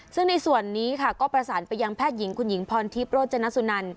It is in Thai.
ซึ่งในส่วนนี้ค่ะก็ประสานไปยังแพทย์หญิงคุณหญิงพรทิพย์โรจนสุนัน